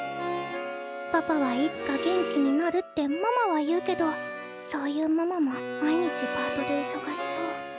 パパはいつか元気になるってママは言うけどそういうママも毎日パートでいそがしそう。